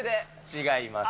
違います？